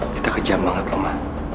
kita kejam banget lho ma